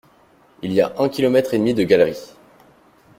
Il y a un kilomètre et demi de galeries.